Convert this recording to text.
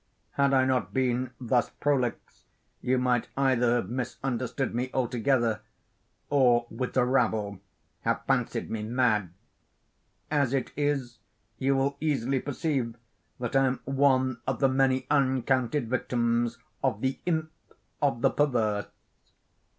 Had I not been thus prolix, you might either have misunderstood me altogether, or, with the rabble, have fancied me mad. As it is, you will easily perceive that I am one of the many uncounted victims of the Imp of the Perverse.